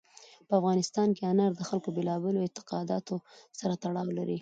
په افغانستان کې انار د خلکو له بېلابېلو اعتقاداتو سره تړاو لري.